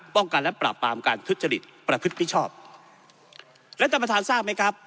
ป้องกันและปราบปรามการทุจริตประพฤติมิชชอบและท่านประธานทราบไหมครับ